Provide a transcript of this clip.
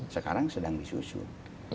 sekarang sedang disusun